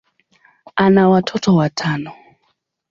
ana watoto watano.